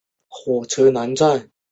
列斯利后来的服役纪录不明。